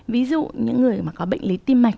ví dụ những người mà có bệnh lý tim mạch